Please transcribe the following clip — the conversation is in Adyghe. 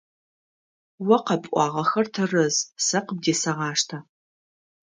О къэпӀуагъэхэр тэрэз, сэ къыбдесэгъаштэ.